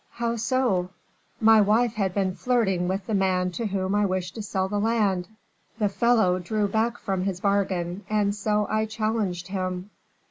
"How so?" "My wife had been flirting with the man to whom I wished to sell the land. The fellow drew back from his bargain, and so I challenged him."